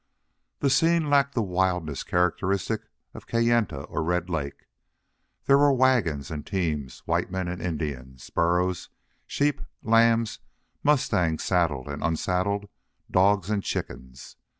The scene lacked the wildness characteristic of Kayenta or Red Lake. There were wagons and teams, white men and Indians, burros, sheep, lambs, mustangs saddled and unsaddled, dogs, and chickens.